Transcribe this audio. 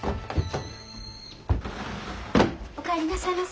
お帰りなさいませ。